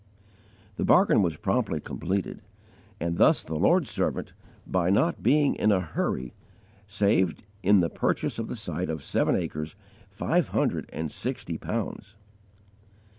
The bargain was promptly completed; and thus the Lord's servant, by not being in a hurry, saved, in the purchase of the site of seven acres, five hundred and sixty pounds!